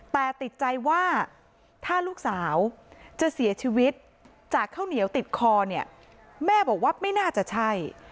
แต่ติดใจว่าถ้าลูกสาวจะเสียชีวิตจากข้าวเหนียวติดคอเนี่ยแม่บอกว่าไม่น่าจะใช่